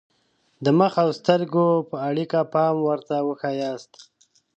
د مخ او سترګو په اړیکه پام ورته وښایاست.